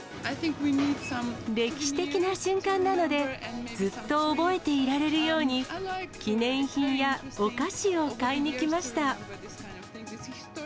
歴史的な瞬間なので、ずっと覚えていられるように、記念品やお菓子を買いに来ました。